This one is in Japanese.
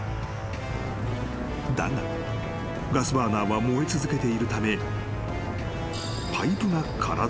［だがガスバーナーは燃え続けているため］